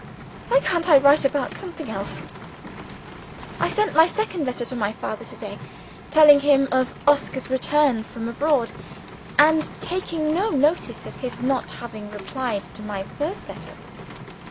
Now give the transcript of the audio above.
Why can't I write about something else? I sent my second letter to my father to day; telling him of Oscar's return from abroad, and taking no notice of his not having replied to my first letter.